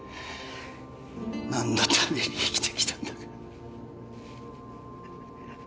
何のために生きてきたんだか